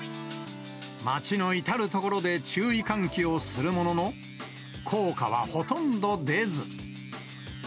街の至る所で注意喚起をするものの、効果はほとんど出ず。